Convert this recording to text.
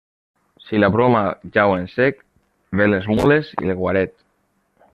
Si la broma jau en sec, ven les mules i el guaret.